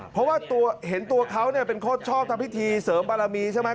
เพราะว่าเห็นตัวเขาเป็นคนชอบทำพิธีเสริมบารมีใช่ไหม